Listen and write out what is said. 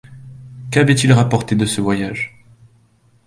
Qu’avait-il rapporté de ce voyage?